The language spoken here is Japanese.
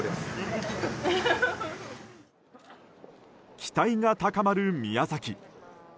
期待が高まる宮崎。